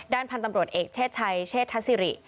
พันธุ์ตำรวจเอกเชศชัยเชษฐศิริ